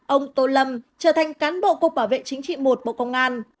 ông tô lâm trở thành cán bộ cục bảo vệ chính trị một bộ công an